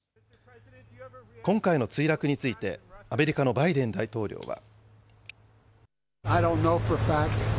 今回の墜落について、アメリカのバイデン大統領は。